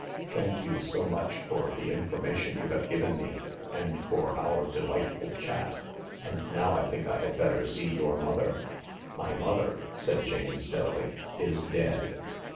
Thank you so much for the information you have given me— and for our delightful chat. And now I think I had better see your mother." "My mother," said Jane steadily, "is dead."